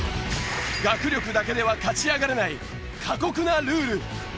学力だけでは勝ち上がれない過酷なルール。